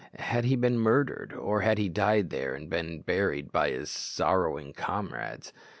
had he been murdered, or had he died there and been buried by his sorrowing comrades?